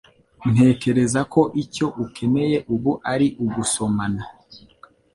Ntekereza ko icyo ukeneye ubu ari ugusomana.